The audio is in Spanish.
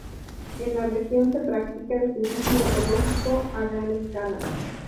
En la región se practica el turismo ecológico a gran escala.